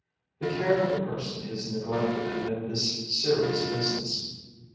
The care of the person is neglected amid this serious business.